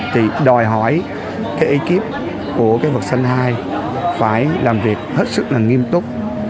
thì đòi hỏi cái ekip của cái vật sân hai phải làm việc hết sức là nghiêm túc